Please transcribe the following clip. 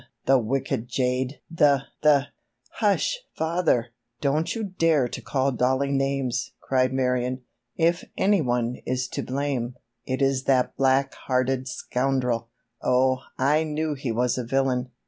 The wicked jade! the—the——" "Hush, father! Don't you dare to call Dollie names," cried Marion. "If any one is to blame, it is that black hearted scoundrel! Oh, I knew he was a villain!